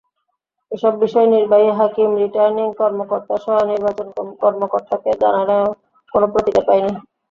এসব বিষয় নির্বাহী হাকিম, রিটার্নিং কর্মকর্তাসহ নির্বাচন কর্মকর্তাকে জানালেও কোনো প্রতিকার পাইনি।